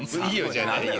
じゃないよ。